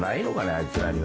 あいつらには。